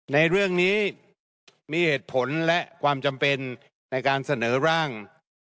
ในเรื่องนี้มีเหตุผลและความจำเป็นในการเสนอร่าง